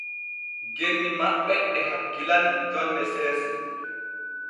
Genni ma ɓe e hakkilani jonne seese.